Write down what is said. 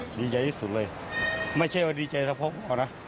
ดีใจที่สุดเลยไม่ใช่ว่าดีใจถ้าพบเขานะ